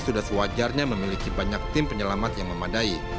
sudah sewajarnya memiliki banyak tim penyelamat yang memadai